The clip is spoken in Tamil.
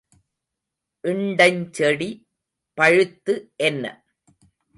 இண்டஞ்செடி பழுத்து என்ன?